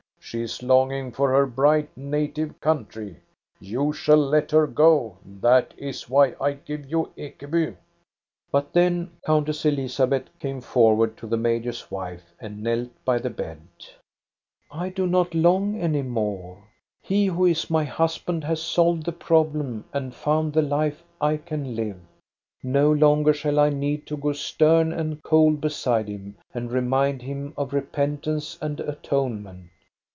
She is longing for her bright native country. You shall let her go. That is why I give you Ekeby." But then Countess Elizabeth came forward to the major's wife and knelt by the bed. " I do not long any more. He who is my husband has solved the problem, and found the life I can live. No longer shall I need to go stern and cold beside him, and remind him of repentance and atonement.